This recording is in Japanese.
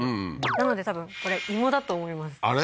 なので多分これ芋だと思いますあれ？